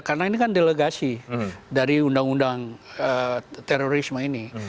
karena ini kan delegasi dari undang undang terorisme ini